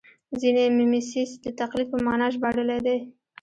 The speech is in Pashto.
ځینې میمیسیس د تقلید په مانا ژباړلی دی